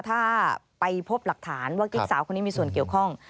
ถ้าไปพบหลักฐานว่ากิ๊กสาวคนนี้มีส่วนเกี่ยวข้อง